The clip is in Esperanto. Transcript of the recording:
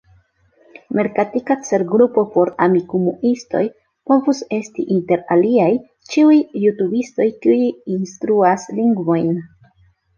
Merkatika celgrupo por Amikumu-istoj povus esti, inter aliaj, ĉiuj jutubistoj kiuj instruas lingvojn.